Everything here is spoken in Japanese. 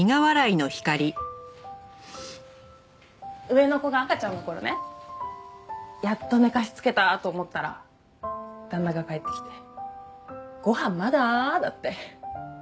上の子が赤ちゃんの頃ねやっと寝かしつけたと思ったら旦那が帰ってきて「ご飯まだ？」だって。